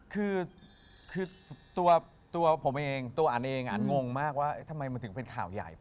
คือตัวผมเองตัวอันเองอันงงมากว่าทำไมมันถึงเป็นข่าวใหญ่